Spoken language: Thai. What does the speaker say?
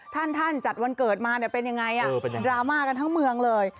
ท่านท่านจัดวันเกิดมาเป็นยังไงดราม่ากันทั้งเมืองเลย